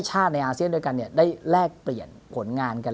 ชาติในอาเซียนด้วยกันเนี่ยได้แลกเปลี่ยนผลงานกัน